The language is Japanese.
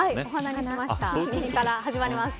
右から始まります。